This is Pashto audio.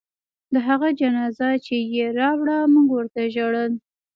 د هغه جنازه چې يې راوړه موږ ورته ژړل.